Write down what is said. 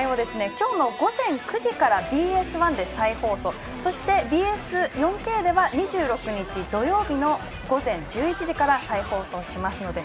今日の午前９時からＢＳ１で再放送そしてＢＳ４Ｋでは２６日土曜日午前１１時から再放送しますので。